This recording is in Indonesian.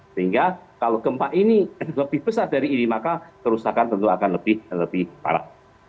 sehingga kalau gempa ini lebih besar dari ini maka kerusakan tentu akan lebih parah